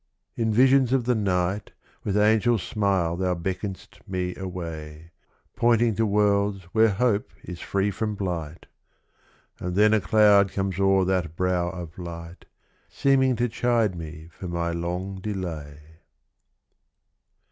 In visions of the night With angel smile thou beckon'st me away, Pointing to worlds where hope is free from blight; And then a cloud comes o'er that brow of light, Seeming to chide me for my long delay.